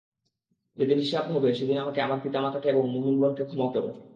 যেদিন হিসাব হবে সেদিন আমাকে আমার পিতামাতাকে এবং মুমিনগণকে ক্ষমা করো!